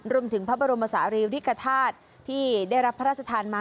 รวมถึงพระบรมศาลีริกฐาตุที่ได้รับพระราชทานมา